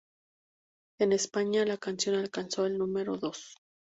En España, la canción alcanzó el número dos.